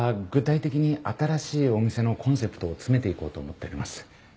具体的に新しいお店のコンセプトを詰めて行こうと思っております。